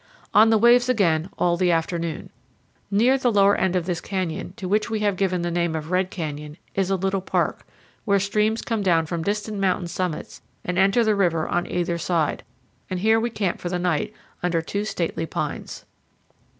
On the waves again all the afternoon. Near the lower end of this canyon, to which we have given the name of Red Canyon, is a little park, where streams come down from distant mountain summits and enter the river on either side; and here we camp for the night under two stately pines.